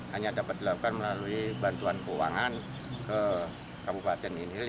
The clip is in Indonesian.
hanya dapat dilakukan melalui bantuan keuangan ke kabupaten indra giri hilir